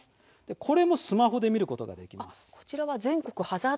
これもスマホで見ることができます。